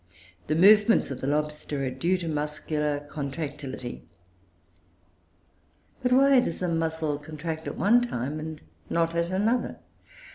The movements of the lobster are due to muscular contractility. But why does a muscle contract at one time and not at another?